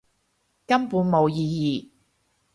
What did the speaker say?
根本冇意義